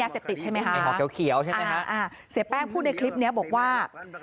เสียแป้งพูดในคลิปนี้บอกว่า